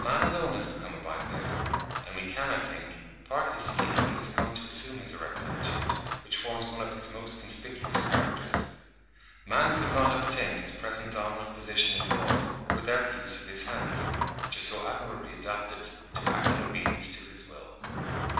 Man alone has become a biped; and we can, I think, partly see how he has come to assume his erect attitude, which forms one of his most conspicuous characters. Man could not have attained his present dominant position in the world without the use of his hands, which are so admirably adapted to act in obedience to his will.